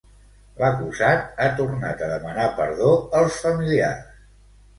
L'acusat ha tornat a demanar perdó als familiars.